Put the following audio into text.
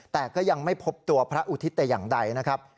แต่ก็ยังไม่พบตัวพระอุทิศแต่อย่างใดนะครับ